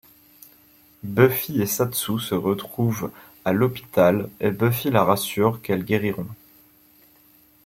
Buffy et Satsu se retrouvent à l'hôpital et Buffy la rassure qu'elles guériront.